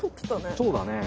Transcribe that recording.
そうだね。